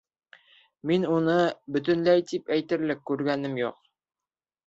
Мин уйы бөтөнләй тип әйтерлек күргәнем юҡ.